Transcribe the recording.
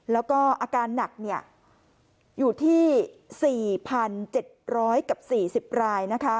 แล้วก็อาการหนักเนี้ยอยู่ที่สี่พันเจ็ดร้อยกับสี่สิบรายนะคะ